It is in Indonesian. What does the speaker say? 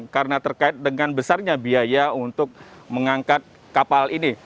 karena terkait dengan besarnya biaya untuk mengangkat kapal ini